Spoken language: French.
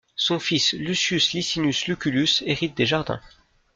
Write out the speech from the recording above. Son fils Lucius Licinus Lucullus hérite des jardins.